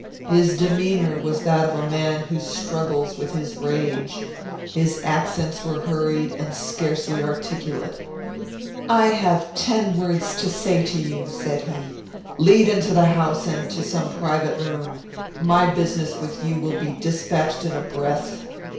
His demeanour was that of a man who struggles with his rage. His accents were hurried, and scarcely articulate. 'I have ten words to say to you,' said he; 'lead into the house, and to some private room. My business with you will be despatched in a breath.'